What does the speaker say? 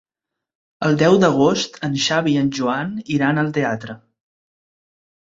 El deu d'agost en Xavi i en Joan iran al teatre.